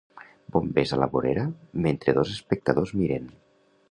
Bombers a la vorera mentre dos espectadors miren.